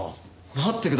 待ってください。